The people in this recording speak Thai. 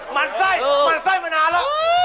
มันไส้หมั่นไส้มานานแล้ว